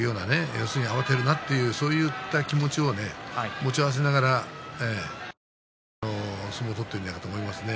慌てるなという気持ちを持ち合わせながら相撲を取ってるんじゃないかと思いますね。